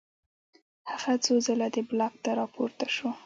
هغه څو ځله دې بلاک ته راپورته شو